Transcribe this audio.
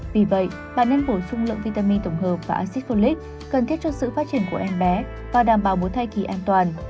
vì vậy bà nên bổ sung lượng vitamin tổng hợp và acidolic cần thiết cho sự phát triển của em bé và đảm bảo một thai kỳ an toàn